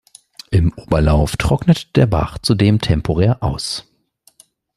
Im Oberlauf trocknet der Bach zudem temporär aus.